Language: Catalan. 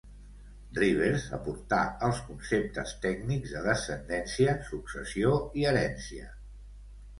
Rivers aportà els conceptes tècnics de descendència, successió i herència.